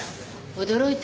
驚いた。